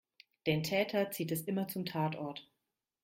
Den Täter zieht es immer zum Tatort.